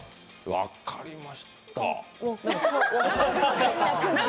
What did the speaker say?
分っかりました。